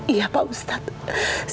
iya pak ustadz